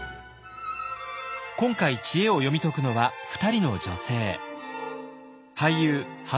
今回知恵を読み解くのは２人の女性。